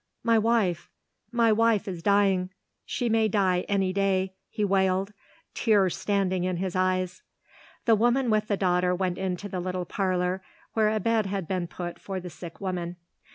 "My wife my wife is dying. She may die any day," he wailed, tears standing in his eyes. The woman with the daughter went into the little parlour where a bed had been put for the sick woman.